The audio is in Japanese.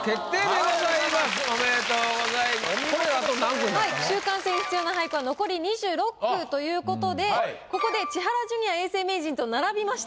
句集完成に必要な俳句は残り２６句ということでここで千原ジュニア永世名人と並びました。